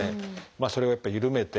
それをやっぱりゆるめて。